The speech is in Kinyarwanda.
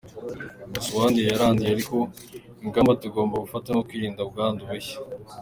Gusa uwanduye yaranduye ariko ingamba tugomba gufata ni ukwirinda ubwandu bushya".